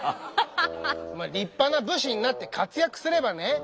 立派な武士になって活躍すればね